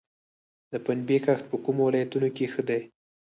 د پنبې کښت په کومو ولایتونو کې ښه دی؟